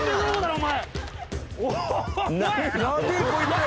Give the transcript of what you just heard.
お前！